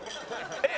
えっ！